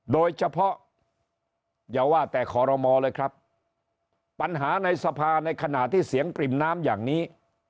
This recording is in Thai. โดยเฉพาะอย่าว่าแต่คอรมอเลยครับปัญหาในสภาในขณะที่เสียงปริ่มน้ำอย่างนี้